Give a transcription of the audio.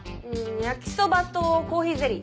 焼きそばとコーヒーゼリー。